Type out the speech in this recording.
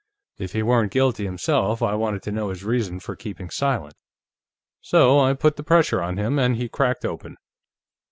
If he weren't guilty himself, I wanted to know his reason for keeping silent. So I put the pressure on him, and he cracked open."